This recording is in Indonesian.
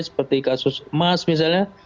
seperti kasus emas misalnya